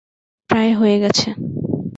প্রায় হয়ে গেছে।